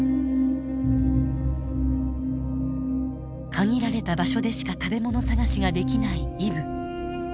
限られた場所でしか食べ物探しができないイブ。